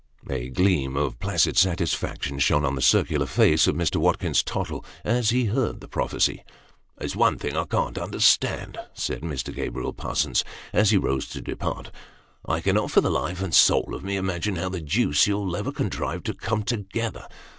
A gleam of placid satisfaction shone on the circular face of Mr. Watkins Tottle, as he heard the prophecy. " There's one thing I can't understand," said Mr. Gabriel Parsons, as he rose to depart ;" I cannot, for the life and soul of me imagine, how the deuce you'll ever contrive to come together.